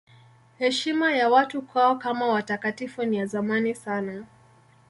Heshima ya watu kwao kama watakatifu ni ya zamani sana.